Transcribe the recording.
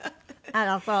「あらそう？」